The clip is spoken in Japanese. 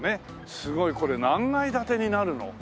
すごいこれ何階建てになるの？